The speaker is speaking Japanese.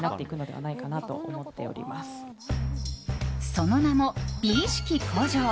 その名も、鼻意識向上。